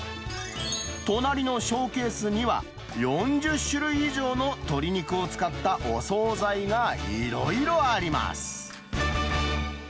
隣のショーケースには、４０種類以上の鶏肉を使ったお総菜がいろいろあります。